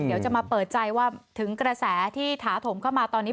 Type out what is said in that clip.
เดี๋ยวจะมาเปิดใจว่าถึงกระแสที่ถาถมเข้ามาตอนนี้